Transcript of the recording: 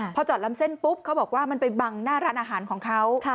พอจอดลำเส้นปุ๊บเขาบอกว่ามันไปบังหน้าร้านอาหารของเขา